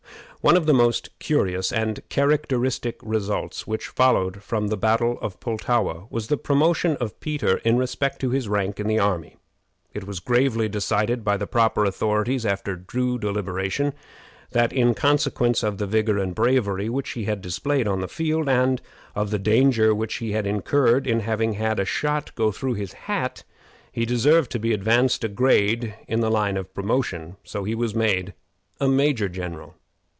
One of the most curious and characteristic results which followed from the battle of Pultowa was the promotion of Peter in respect to his rank in the army. It was gravely decided by the proper authorities, after due deliberation, that in consequence of the vigor and bravery which he had displayed on the field, and of the danger which he had incurred in having had a shot through his hat, he deserved to be advanced a grade in the line of promotion. So he was made a major general.